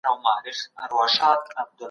هیڅوک باید د تاوتریخوالي قرباني نه سي.